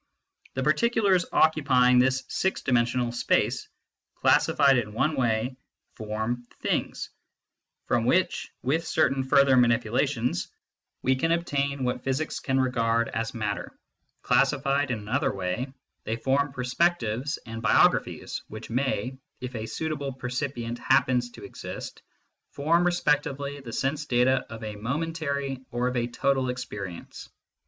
The particulars occupying this six dimensional space, classi fied in one way, form " things," from which with certain further manipulations we can obtain what physics can 144 MYSTICISM AND LOGIC regard as matter ; classified in another way, they form " perspectives " and " biographies/ which may, if a suitable percipient happens to exist, form respectively the sense data of a momentary or of a total experience.